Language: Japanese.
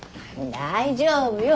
大丈夫よ。